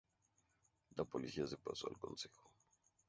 La policía se pasó al consejo.